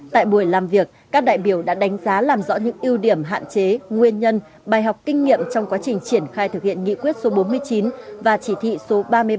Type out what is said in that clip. tại buổi làm việc các đại biểu đã đánh giá làm rõ những ưu điểm hạn chế nguyên nhân bài học kinh nghiệm trong quá trình triển khai thực hiện nghị quyết số bốn mươi chín và chỉ thị số ba mươi ba